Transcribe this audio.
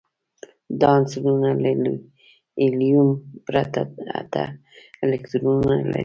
دا عنصرونه له هیلیوم پرته اته الکترونونه لري.